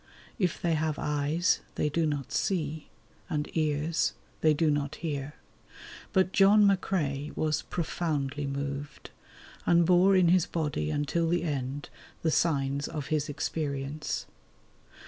If they have eyes, they do not see; and ears, they do not hear. But John McCrae was profoundly moved, and bore in his body until the end the signs of his experience.